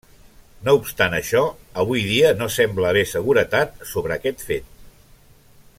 No obstant això, avui dia no sembla haver seguretat sobre aquest fet.